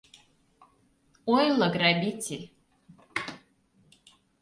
Ойло, грабитель!..